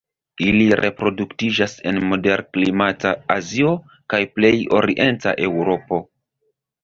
Ili reproduktiĝas en moderklimata Azio kaj plej orienta Eŭropo.